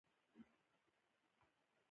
د کابل منډوي د سړکونو